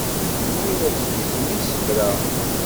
Zwina tgezzem isefra.